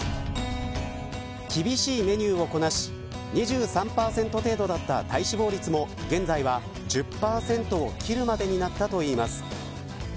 厳しいメニューをこなし２３％だった体脂肪率も現在は１０％を切るまでになったといいます。